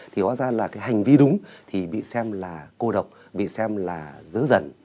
thì hóa ra là cái hành vi đúng thì bị xem là cô độc bị xem là dữ dẩn